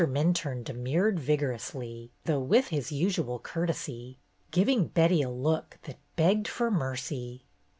Minturne demurred vigorously, though with his usual courtesy, giving Betty a look that begged for mercy.